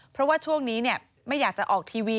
เพราะว่าช่วงนี้ไม่อยากจะออกทีวี